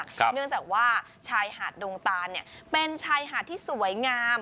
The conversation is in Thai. เนื่องจากว่าชายหาดดงตานเนี่ยเป็นชายหาดที่สวยงาม